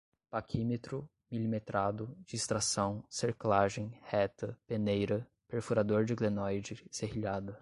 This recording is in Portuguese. paquímetro, milimetrado, distração, cerclagem, reta, peneira, perfurador de glenoide, serrilhada